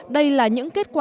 đây là những kết quả